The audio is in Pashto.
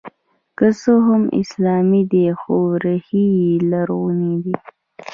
که څه هم اسلامي دی خو ریښې یې لرغونې دي